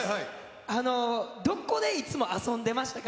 あの、どこでいつも遊んでましたか？